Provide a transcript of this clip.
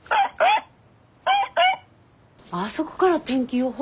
あそこから天気予報